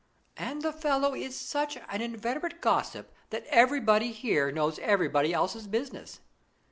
"' "And the fellow is such an inveterate gossip that everybody here knows everybody else's business.